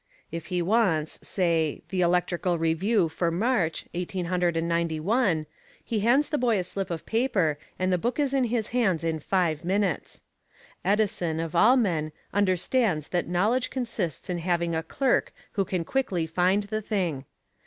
If he wants, say, the "Electrical Review" for March, Eighteen Hundred Ninety One, he hands a boy a slip of paper and the book is in his hands in five minutes. Edison of all men understands that knowledge consists in having a clerk who can quickly find the thing.